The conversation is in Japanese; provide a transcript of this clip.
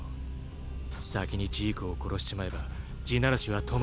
先にジークを殺しちまえば「地鳴らし」は止まるんじゃないのか？